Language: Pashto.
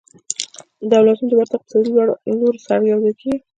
دولتونه د ورته اقتصادي لورو سره یوځای کیږي